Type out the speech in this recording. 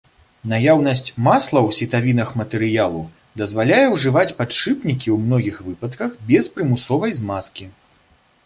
Наяўнасць масла ў сітавінах матэрыялу дазваляе ўжываць падшыпнікі ў многіх выпадках без прымусовай змазкі.